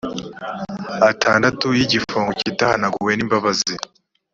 atandatu y igifungo kitahanagawe n imbabazi